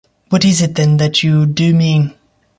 What is it, then, that you do mean?